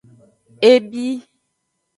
E bi.